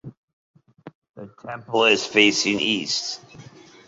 The temple is facing east.